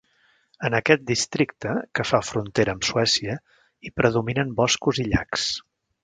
En aquest districte, que fa frontera amb Suècia, hi predominen boscos i llacs.